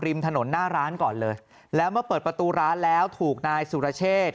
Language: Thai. ริมถนนหน้าร้านก่อนเลยแล้วเมื่อเปิดประตูร้านแล้วถูกนายสุรเชษ